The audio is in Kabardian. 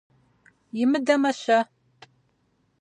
Имыдэмэ-щэ?